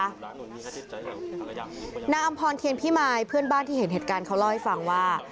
นางอำพรเทียนพิมายเพื่อนบ้านที่เห็นเหตุการณ์เขาเล่าให้ฟังว่า